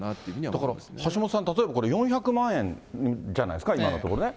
だから橋下さん、例えばこれ４００万円じゃないですか、今のところね。